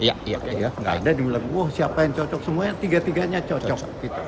nggak ada yang bilang wah siapa yang cocok semuanya tiga tiganya cocok